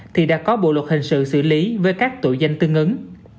thì đã có bộ luật hình sự xử lý với các tội danh tương ứng